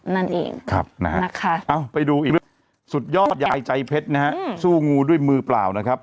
นั่นเองครับนะฮะไปดูอีกสุดยอดยายใจเพชรนะฮะสู้งูด้วยมือเปล่านะครับ